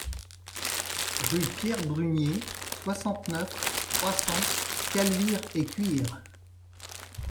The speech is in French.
Rue Pierre Brunier, soixante-neuf, trois cents Caluire-et-Cuire